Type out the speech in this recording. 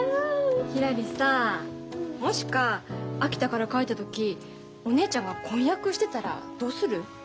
ひらりさもしか秋田から帰った時お姉ちゃんが婚約してたらどうする？